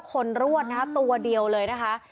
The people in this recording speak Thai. คนรวดนะคะตัวเดียวเลยนะคะ